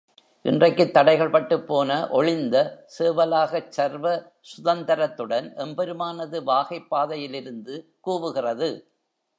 இன்றைக்குத் தடைகள் பட்டுப் போன, ஒழிந்த, சேவலாகச் சர்வ சுதந்தரத்துடன் எம்பெருமானது வாகைப் பதாகையில் இருந்து கூவுகிறது.